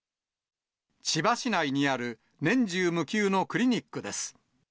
千葉市内にある年中無休のクリニックです。